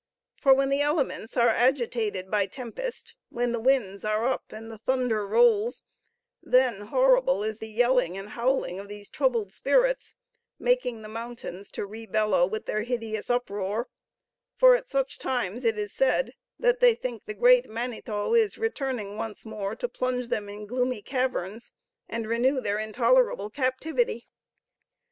For when the elements are agitated by tempest, when the winds are up and the thunder rolls, then horrible is the yelling and howling of these troubled spirits, making the mountains to re bellow with their hideous uproar; for at such times it is said that they think the great Manetho is returning once more to plunge them in gloomy caverns, and renew their intolerable captivity.